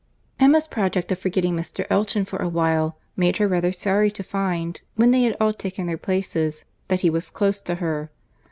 Emma's project of forgetting Mr. Elton for a while made her rather sorry to find, when they had all taken their places, that he was close to her.